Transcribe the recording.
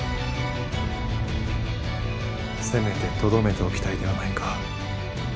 せめてとどめておきたいではないか。